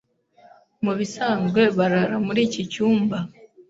Mubisanzwe barara muri iki cyumba.